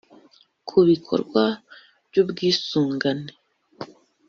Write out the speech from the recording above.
ku bikorwa by’ubwisungane